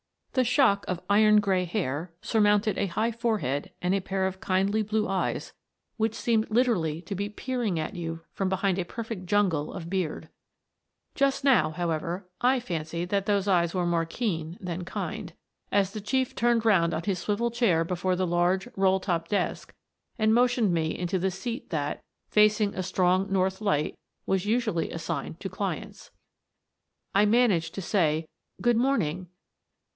The shock of iron gray hair surmounted a high forehead and a pair of kindly blue eyes which seemed literally to be peering at you from behind a perfect jungle of beard Denneen's Diamonds Just now, however, I fancied that those eyes were more keen than kind, as the Chief turned round on his swivel chair before the large, roll top desk and motioned me into the seat that, facing a strong north light, was usually assigned to clients. I managed to say :" Good morning."